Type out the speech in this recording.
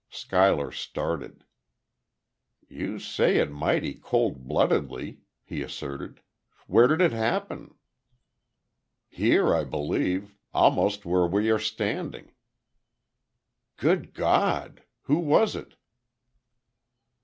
Schuyler started. "You say it mighty cold bloodedly," he asserted. "Where did it happen?" "Here, I believe. Almost where we are standing." "Good God! Who was it?"